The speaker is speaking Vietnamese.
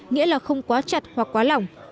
nghĩa là không quá chặt hoặc quá lỏng